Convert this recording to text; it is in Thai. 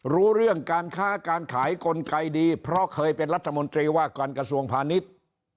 รู้เรื่องการค้าการขายกลไกดีเพราะเคยเป็นรัฐมนตรีว่าการกระทรวงพาณิชย์